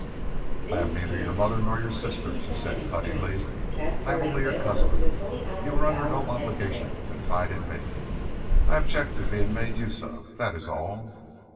"I am neither your mother nor your sister," she said cuttingly. "I am only your cousin. You were under no obligation to confide in me. I object to being made use of, that is all."